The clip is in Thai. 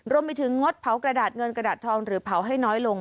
รวมไปถึงงดเผากระดาษเงินกระดาษทองหรือเผาให้น้อยลง